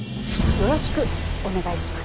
よろしくお願いします！